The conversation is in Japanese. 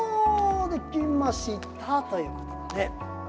できましたということだね。